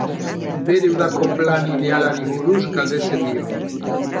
Bere udako plan idealari buruz galdetzen dio.